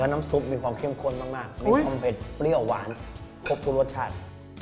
น้ำซุปมีความเข้มข้นมากมีความเผ็ดเปรี้ยวหวานครบทุกรสชาติ